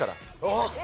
あっ！